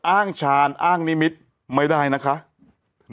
อ้างชาญอ้างนิมิตรไม่ได้นะครับ